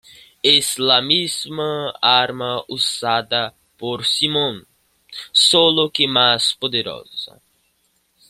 Es la misma arma usada por Simon, solo que más poderosa.